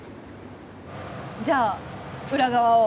じゃあ裏側を。